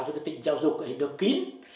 cho cái tỉnh giáo dục ấy được kín